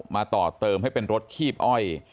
ต่อเติมให้เป็นรถคีบอ้อย